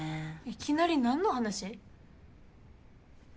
いきなりなんの話？